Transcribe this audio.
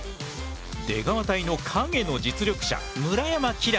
出川隊の陰の実力者村山輝星。